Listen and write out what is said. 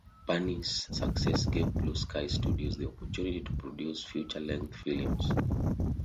"Bunny"'s success gave Blue Sky Studios the opportunity to produce feature length films.